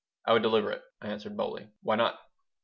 "I would deliver it," I answered, boldly. "Why not?"